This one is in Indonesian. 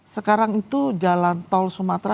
sekarang itu jalan tol sumatera